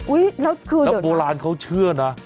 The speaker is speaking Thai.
อุ๊ยแล้วคือเดี๋ยวนะแล้วโบราณเขาเชื่อนะ